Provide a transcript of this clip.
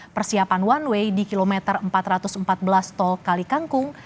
persiapan one way di kilometer empat ratus empat belas tol kalikangkung